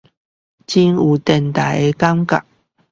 好有電台的感覺